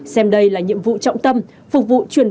xem đây là nhiệm vụ trọng tâm phục vụ chuyển